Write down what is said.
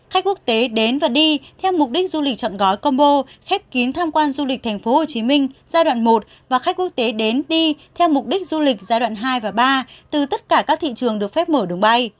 khách quốc tế đến và đi theo mục đích du lịch chọn gói combo khép kín tham quan du lịch tp hcm giai đoạn một và khách quốc tế đến đi theo mục đích du lịch giai đoạn hai và ba từ tất cả các thị trường được phép mở đường bay